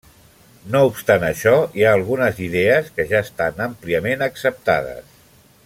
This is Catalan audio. No obstant això, hi ha algunes idees que ja estan àmpliament acceptades.